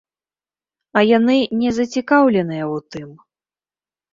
А яны не зацікаўленыя ў тым.